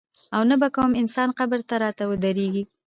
او نه به کوم انسان قبر ته راته ودرېږي.